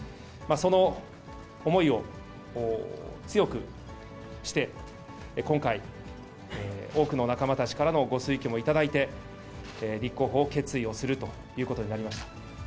その思いを強くして、今回、多くの仲間たちからのご推挙も頂いて、立候補を決意をするということになりました。